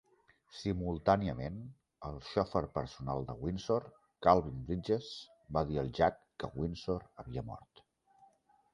Simultàniament, el xofer personal de Windsor, Calvin Bridges, va dir al Jack que Windsor havia mort.